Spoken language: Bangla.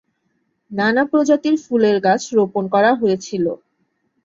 নানা প্রজাতির ফুলের গাছ রোপণ করা হয়েছিলো।